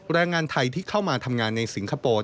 แรงงานไทยที่เข้ามาทำงานในสิงคโปร์